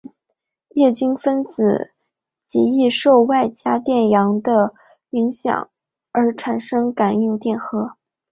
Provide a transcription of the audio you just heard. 液晶分子极易受外加电场的影响而产生感应电荷。